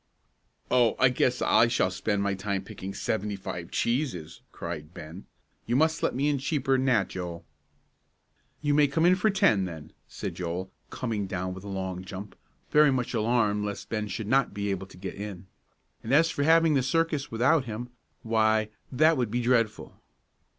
"Oh, I guess I shall spend my time picking seventy five cheeses!" cried Ben; "you must let me in cheaper'n that, Joel." "You may come in for ten, then," said Joel, coming down with a long jump, very much alarmed lest Ben should not be able to get in. And as for having the circus without him why, that would be dreadful!